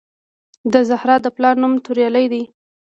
د زهرا د پلار نوم توریالی دی